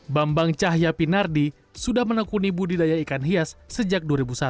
bambang cahya pinardi sudah menekuni budidaya ikan hias sejak dua ribu satu